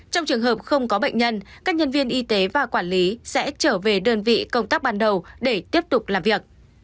trong trường hợp không có bệnh nhân các nhân viên y tế và quản lý sẽ trở về đơn vị công tác ban đầu để tiếp tục làm việc